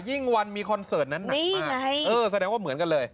ยิ่งวันมีคอนเสิร์ตนั้นหนักมากแสดงว่าเหมือนกันเลย